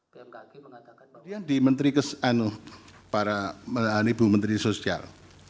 pertanyaan di menteri sosial